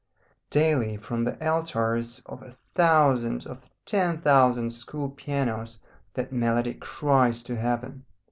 Daily from the altars of a thousand, of ten thousand, school pianos that melody cries to heaven.